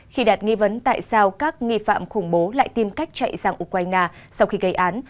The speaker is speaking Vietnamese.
khi đạt nghi vấn tại sao các nghi phạm khủng bố lại tìm cách chạy sang ukraine sau khi gây án